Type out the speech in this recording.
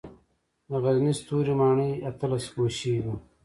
د غزني ستوري ماڼۍ اتلس ګوشې وه